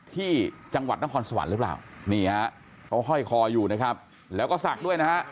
ที่จังหวัดนอครสวรรค์แล้วลัวนี่ค่ะเขาฮ่อยคออยู่นะครับแล้วก็ศักรไปด้วยนะฮะ